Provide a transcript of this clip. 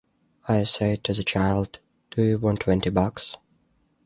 I said to the child, “Do you want twenty bucks?"